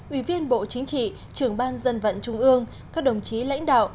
ủy viên bộ chính trị trưởng ban dân vận trung ương các đồng chí lãnh đạo